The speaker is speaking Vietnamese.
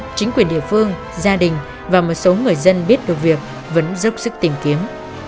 chính quyền địa phương gia đình và một số người dân biết được việc vẫn dốc sức tìm kiếm